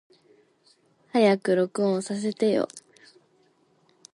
早く録音させてよ。